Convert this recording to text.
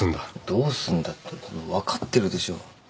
どうすんだってその分かってるでしょ。